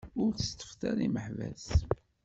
Ur tteṭṭfet ara imeḥbas!